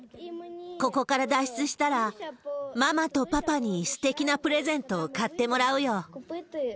ここから脱出したら、ママとパパにすてきなプレゼントを買ってもらうよ。